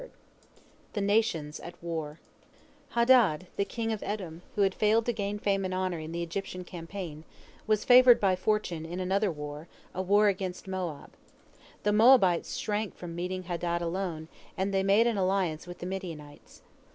THE NATIONS AT WAR Hadad, the king of Edom, who had failed to gain fame and honor in the Egyptian campaign, was favored by fortune in another war, a war against Moab. The Moabites shrank from meeting Hadad alone, and they made an alliance with the Midianites.